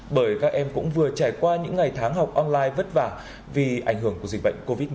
bởi các em cũng vừa trải qua những ngày tháng học online vất vả vì ảnh hưởng của dịch bệnh covid một mươi chín